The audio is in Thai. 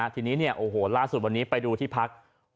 ทีนี้เนี่ยโอ้โหล่าสุดวันนี้ไปดูที่พัก